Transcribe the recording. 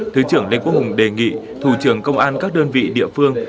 thứ trưởng lê quốc hùng đề nghị thủ trưởng công an các đơn vị địa phương